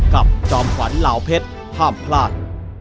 กับจอมควรเหล่าเพชรห้ามพลาด